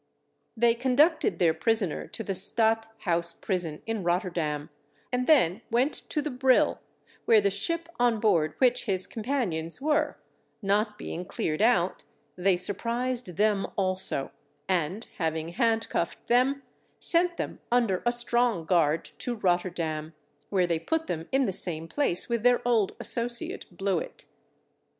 They conducted their prisoner to the Stadt House Prison in Rotterdam, and then went to the Brill, where the ship on board which his companions were, not being cleared out, they surprised them also, and having handcuffed them, sent them under a strong guard to Rotterdam, where they put them in the same place with their old associate Blewit.